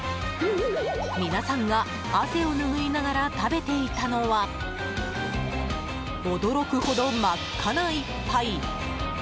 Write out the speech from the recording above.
皆さんが汗を拭いながら食べていたのは驚くほど真っ赤な一杯！